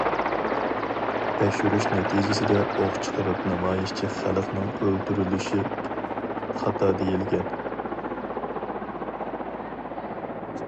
تەكشۈرۈش نەتىجىسىدە ئوق چىقىرىپ نامايىشچى خەلقنىڭ ئۆلتۈرۈلۈشى خاتا دېيىلگەن.